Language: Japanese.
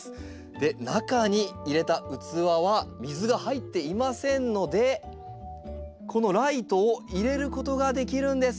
で中に入れた器は水が入っていませんのでこのライトを入れることができるんです。